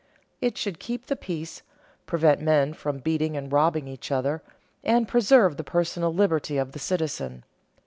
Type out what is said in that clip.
It should keep the peace, prevent men from beating and robbing each other, and preserve the personal liberty of the citizen.